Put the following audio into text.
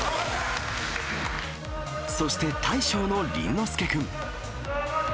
そして大将の倫之亮君。